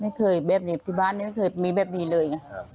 ไม่เคยแบบนี้ที่บ้านนี้ไม่เคยมีแบบนี้เลยไง